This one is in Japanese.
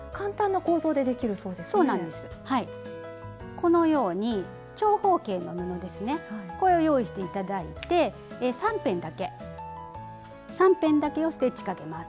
このように長方形の布ですねこれを用意していただいて３辺だけ３辺だけをステッチかけます。